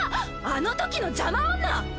あのときの邪魔女！